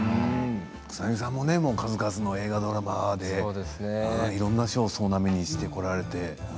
草なぎさんも数々の映画でいろんな賞を総なめにしてこられて。